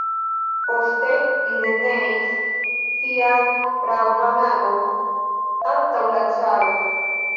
Poste li ne neis sian pravan agon antaŭ la caro.